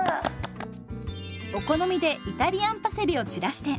お好みでイタリアンパセリを散らして。